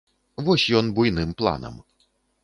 Вось ён буйным планам.